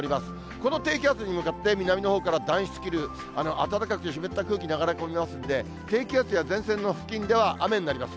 この低気圧に向かって、南のほうから暖湿流、暖かく湿った空気流れ込みますんで、低気圧や前線の付近では雨になります。